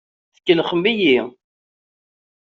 Tkellxem-iyi.